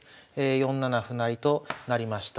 ４七歩成となりました。